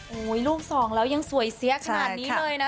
โอ้โหลูกสองแล้วยังสวยเสียขนาดนี้เลยนะ